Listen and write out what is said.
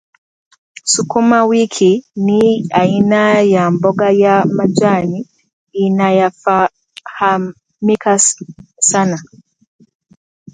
Sukuma wiki ni aina ya mboga ya majani inayofahamika sana